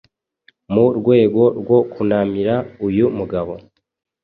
mu rwego rwo kunamira uyu mugabo